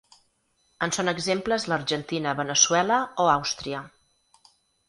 En són exemples l’Argentina, Veneçuela o Àustria.